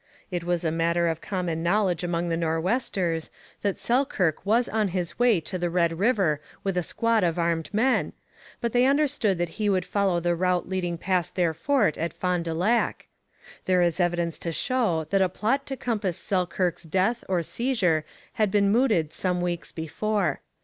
It was a matter of common knowledge among the Nor'westers that Selkirk was on his way to the Red River with a squad of armed men, but they understood that he would follow the route leading past their fort at Fond du Lac. There is evidence to show that a plot to compass Selkirk's death or seizure had been mooted some weeks before.